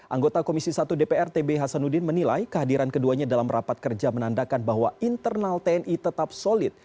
anggota komisi satu dpr tb hasanuddin menilai kehadiran keduanya dalam rapat kerja menandakan bahwa internal tni tetap solid